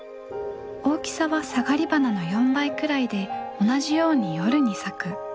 大きさはサガリバナの４倍くらいで同じように夜に咲く。